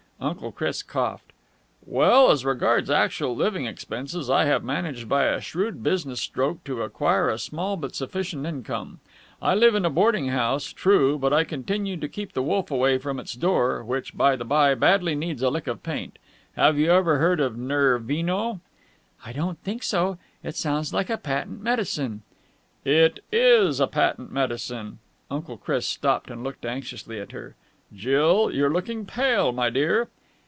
Uncle Chris coughed. "Well, as regards actual living expenses, I have managed by a shrewd business stroke to acquire a small but sufficient income. I live in a boarding house true but I contrive to keep the wolf away from its door which, by the by, badly needs a lick of paint. Have you ever heard of Nervino?" "I don't think so. It sounds like a patent medicine." "It is a patent medicine." Uncle Chris stopped and looked anxiously at her. "Jill, you're looking pale, my dear."